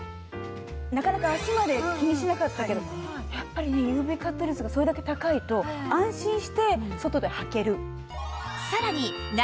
なかなか足まで気にしなかったけどやっぱりねＵＶカット率がそれだけ高いと安心して外ではける。